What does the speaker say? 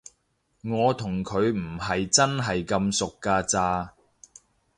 我同佢唔係真係咁熟㗎咋